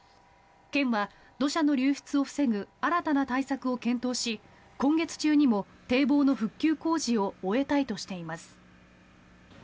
県は、土砂の流出を防ぐ新たな対策を検討し今月中にも堤防の復旧工事を終えたいとしています。